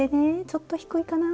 ちょっと低いかな？